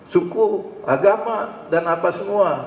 suku agama dan apa semua